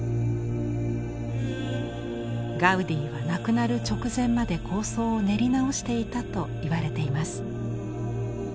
ガウディは亡くなる直前まで構想を練り直していたといわれています。